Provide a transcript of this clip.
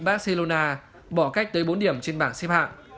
và có cách tới bốn điểm trên bảng xếp hạng